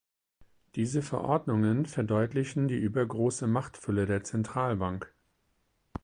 Diese Verordnungen verdeutlichen die übergroße Machtfülle der Zentralbank.